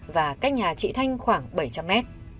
và cách nhà chị thanh khoảng bảy trăm linh mét